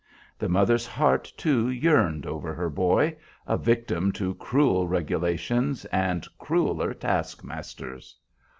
The mother's heart, too, yearned over her boy, a victim to cruel regulations and crueler task masters.